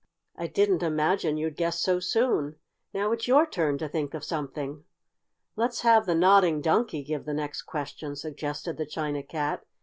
"I didn't imagine you'd guess so soon. Now it's your turn to think of something." "Let's have the Nodding Donkey give the next question," suggested the China Cat.